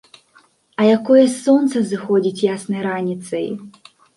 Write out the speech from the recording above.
А якое сонца ўзыходзіць яснай раніцай!